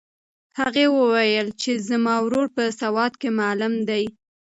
هغې وویل چې زما ورور په سوات کې معلم دی.